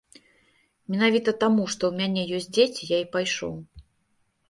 Менавіта таму, што ў мяне ёсць дзеці, я і пайшоў.